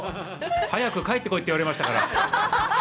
早く帰ってこいって言われましたから。